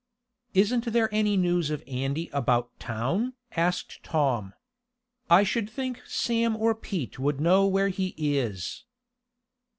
"Isn't there any news of Andy about town?" asked Tom. "I should think Sam or Pete would know where he is."